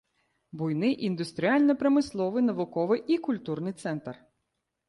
Буйны індустрыяльна-прамысловы, навуковы і культурны цэнтр.